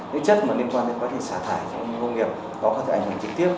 những chất liên quan đến quá trình xả thải trong công nghiệp có thể ảnh hưởng trực tiếp